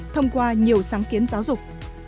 thông qua nhiều sáng kiến giáo dục